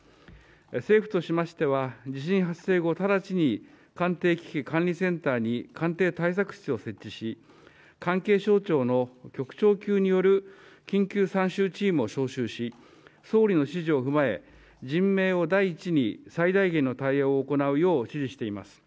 政府としましては地震発生後、直ちに官邸危機管理センターに官邸対策室を設置し関係省庁の局長級による緊急参集チームを招集し総理の指示を踏まえ人命を第一に最大限の対応を行うよう、指示しています。